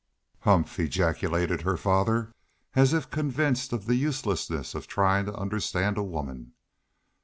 "Humph!" ejaculated her father, as if convinced of the uselessness of trying to understand a woman.